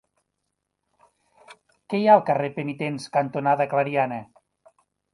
Què hi ha al carrer Penitents cantonada Clariana?